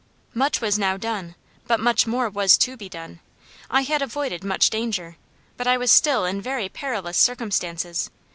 "Much was now done, but much more was to be done. I had avoided much danger, but I was still in very perilous circumstances.